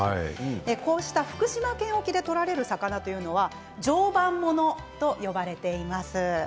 こうした福島県沖で取られる魚というのは常磐ものと呼ばれています。